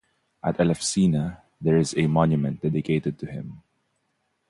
At Elefsina there is a monument dedicated to him.